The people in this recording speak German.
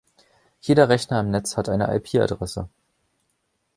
Jeder Rechner im Netz hat eine IP-Adresse.